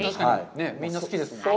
みんな好きですもんね。